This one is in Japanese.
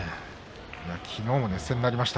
きのうも熱戦になりました